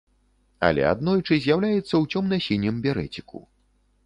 Але аднойчы з'яўляецца ў цёмна-сінім берэціку.